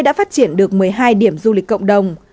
đã phát triển được một mươi hai điểm du lịch cộng đồng